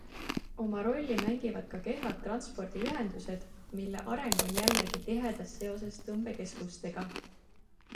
Oma rolli mängivad ka kehvad transpordiühendused, mille areng on jällegi tihedas seoses tõmbekeskustega.